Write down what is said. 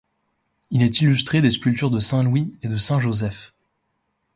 Il est illustré des sculptures de saint Louis et de saint Joseph.